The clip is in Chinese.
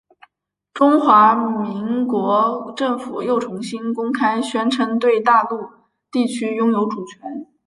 中华民国政府又重新公开宣称对大陆地区拥有主权。